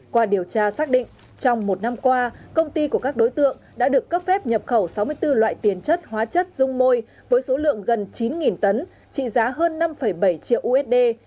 qua điều tra xác định trong một năm qua công ty của các đối tượng đã được cấp phép nhập khẩu sáu mươi bốn loại tiền chất hóa chất dung môi với số lượng gần chín tấn trị giá hơn năm bảy triệu usd